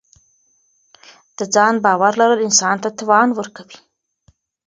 د ځان باور لرل انسان ته توان ورکوي.